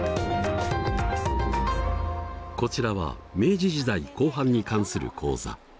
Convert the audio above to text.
こちらは明治時代後半に関する講座。